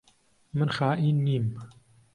من خائین نیم.